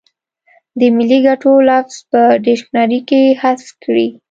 د ملي ګټو لفظ په ډکشنري کې حذف کړي.